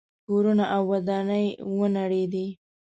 کورونه او ودانۍ ونړېدې.